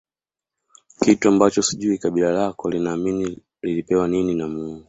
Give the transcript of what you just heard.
Kitu ambacho sijui kabila lako linaamini lilipewa nini na Mungu